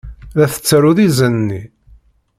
La tettaruḍ inzan-nni?